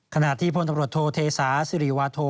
ขณะที่พลตำรวจโทเทศาสิริวาโท